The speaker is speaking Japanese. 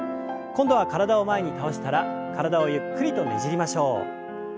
今度は体を前に倒したら体をゆっくりとねじりましょう。